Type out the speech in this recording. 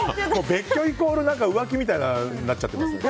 別居イコール浮気みたいになっちゃってますよ。